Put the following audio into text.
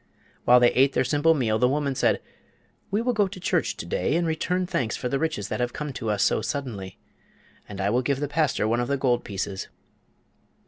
While they ate their simple meal the woman said: "We will go to church to day and return thanks for the riches that have come to us so suddenly. And I will give the pastor one of the gold pieces."